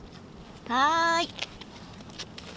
はい。